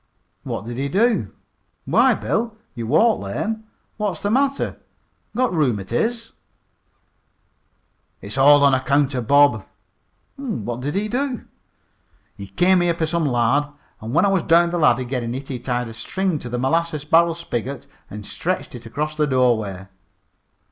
"What did he do? Why, Bill, you walk lame. What's the matter, got rheumatiz?" "It's all on account of Bob." "What did he do?" "Came here for some lard. When I was down cellar gittin' it he tied a string to the molasses barrel spigot and stretched it across the doorway."